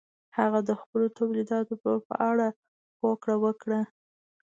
هغه د خپلو تولیداتو پلور په اړه هوکړه وکړه.